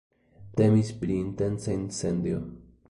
Temis pri intenca incendio.